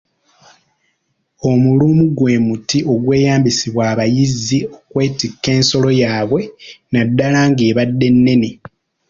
Omuluumu gwe muti ogweyambisimbwa abayizzi okwetikka ensolo yaabwe naddala ng’ebadde nnene.